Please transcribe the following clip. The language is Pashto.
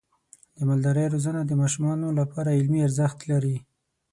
د مالدارۍ روزنه د ماشومانو لپاره علمي ارزښت لري.